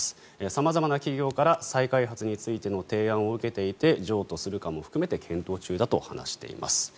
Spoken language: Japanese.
様々な企業から再開発についての提案を受けていて譲渡するかも含めて検討中だと話しています。